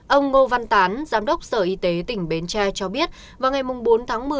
ông ngô văn tán giám đốc sở y tế tỉnh bến tre cho biết vào ngày bốn tháng một mươi